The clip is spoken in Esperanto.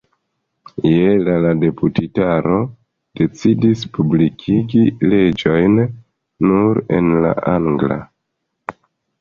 Je la la deputitaro decidis publikigi leĝojn nur en la angla.